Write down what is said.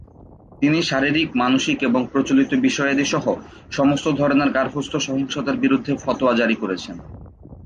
তিনি শারীরিক, মানসিক এবং প্রচলিত বিষয়াদি সহ সমস্ত ধরণের গার্হস্থ্য সহিংসতার বিরুদ্ধে ফতোয়া জারি করেছেন।